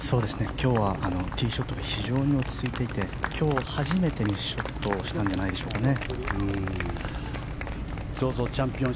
今日はティーショットが非常に落ち着いていて今日初めてミスショットをしたんじゃないでしょうかね。